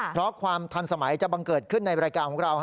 เพราะความทันสมัยจะบังเกิดขึ้นในรายการของเรา